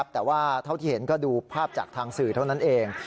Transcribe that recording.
แต่ว่าเท่าที่เห็นก็ดูภาพจากทางสื่อเท่านั้นเอง